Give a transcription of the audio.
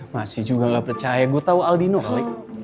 masih juga nggak percaya gue tau aldino ale